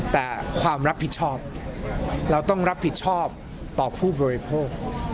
แต่ความรับผิดชอบเราต้องรับผิดชอบต่อผู้บริโภค